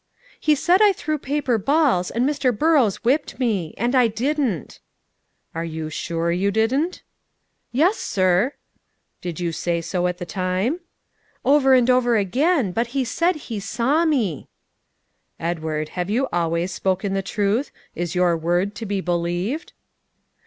"He said I threw paper balls, and Mr. Burrows whipped me; and I didn't." "Are you sure you didn't?" "Yes, sir." "Did you say so at the time?" "Over and over again, but he said he saw me." "Edward, have you always spoken the truth? Is your word to be believed?"